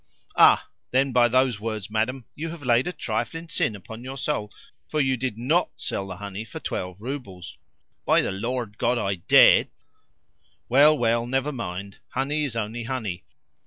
"Ah! Then by those words, madam, you have laid a trifling sin upon your soul; for you did NOT sell the honey for twelve roubles." "By the Lord God I did!" "Well, well! Never mind. Honey is only honey.